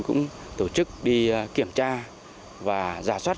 cũng tổ chức đi kiểm tra và giả soát